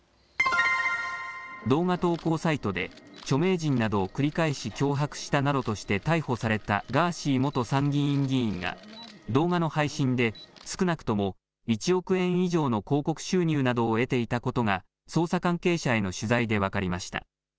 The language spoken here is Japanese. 動画投稿サイトで著名人などを繰り返し脅迫したなどとして逮捕されたガーシー元参議院議員が動画の配信で少なくとも１億円以上の広告収入などを得ていたことが捜査関係者への取材で分かりました。